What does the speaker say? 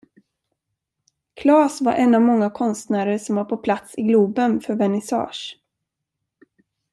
Klas var en av många konstnärer som var på plats i Globen för vernissage.